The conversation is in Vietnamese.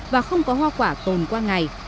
và không có hoa quả tồn qua ngày